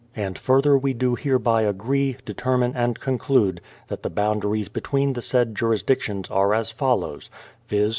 And further we do hereby agree, THE PLYMOUTH SETTLEMENT 301 determine, and conclude, that the boundaries between the said jurisdictions are as follows, viz.